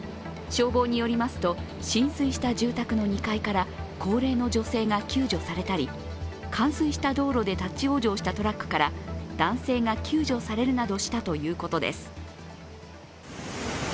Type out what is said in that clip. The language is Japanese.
消防によりますと、浸水した住宅の２階から高齢の女性救助されたり冠水した道路で立往生したトラックから男性が救助されるなどしたということです。